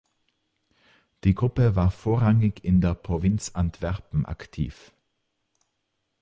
Die Gruppe war vorrangig in der Provinz Antwerpen aktiv.